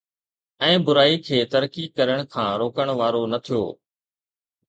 ۽ برائي کي ترقي ڪرڻ کان روڪڻ وارو نه ٿيو